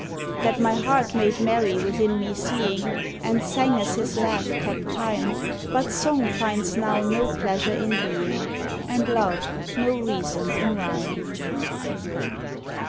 That my heart made merry within me seeing, And sang as his laugh kept time: But song finds now no pleasure in being, And love no reason in rhyme.